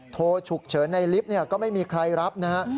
โทรฉุกเฉินในลิฟต์ก็ไม่มีใครรับนะฮะ